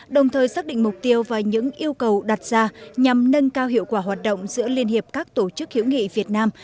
đồng thời xác định mục tiêu và những yêu cầu đặt ra nhằm nâng cao hiệu quả hoạt động giữa liên hiệp các tổ chức hữu nghị việt nam